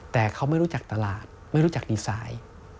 แต่เขาไม่รู้จักตลาดไม่รู้จักดีไซน์